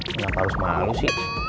kenapa harus malu sih